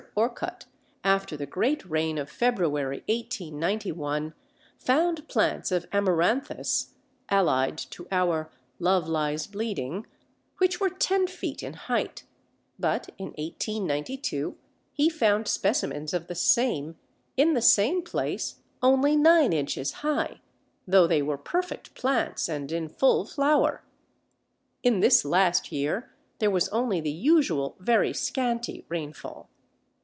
Orcutt, after the great rain of February, 1891, found plants of Amaranthus (allied to our Love Lies Bleeding), which were ten feet in height, but in 1892 he found specimens of the same in the same place only nine inches high, though they were perfect plants and in full flower; in this last year there was only the usual very scanty rainfall.